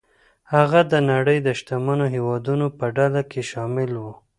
هغه د نړۍ د شتمنو هېوادونو په ډله کې شامل و.